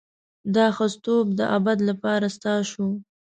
دا ښځتوب د ابد لپاره ستا شو.